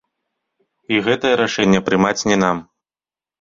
І гэтае рашэнне прымаць не нам.